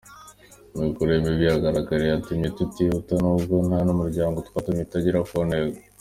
Imikorere mibi yagaragaye yatumye tutihuta nubwo n’abanyamuryango twatumye itagera ku ntego.